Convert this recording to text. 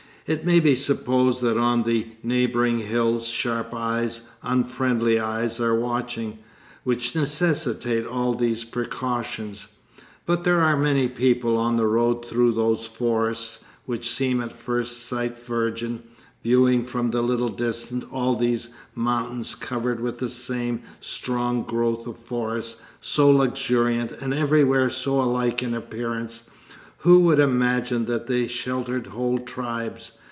It may be supposed that on the neighbouring hills sharp eyes, unfriendly eyes, are watching, which necessitate all these precautions. But there are many people on the road through those forests, which seemed at first sight virgin. Viewing from a little distance all these mountains covered with the same strong growth of forest, so luxuriant, and everywhere so alike in appearance, who would imagine that they sheltered whole tribes?